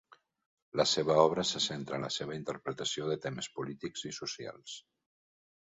La seva obra se centra en la seva interpretació de temes polítics i socials.